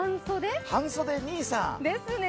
半袖兄さん。